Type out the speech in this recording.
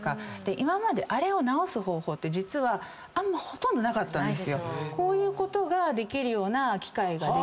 今まであれを治す方法って実はほとんどなかったんですよ。